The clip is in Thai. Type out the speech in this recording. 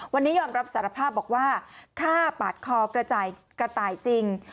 วันนี้ยอมรับสารภาพบอกว่าฆ่าปาดคอกระต่ายจริง